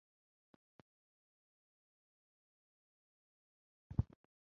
Amadirisa gayamba okuyingiza ku mpewo ennungi mu nju.